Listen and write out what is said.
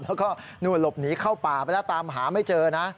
แล้วก็นู่นหลบหนีเข้าป่าไปแล้วตามหาไม่เจอนะ